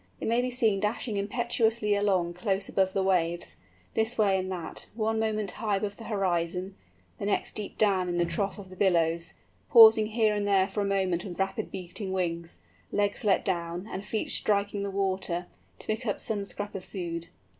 It may be seen dashing impetuously along close above the waves, this way and that, one moment high above the horizon, the next deep down in the trough of the billows, pausing here and there for a moment with rapid beating wings, legs let down, and feet striking the water, to pick up some scrap of food.